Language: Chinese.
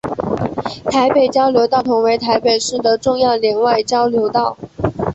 台北交流道同为台北市的重要联外交流道。